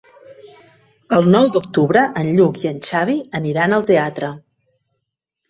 El nou d'octubre en Lluc i en Xavi aniran al teatre.